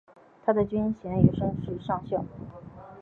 他的军衔也升至上校。